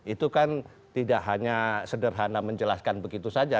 itu kan tidak hanya sederhana menjelaskan begitu saja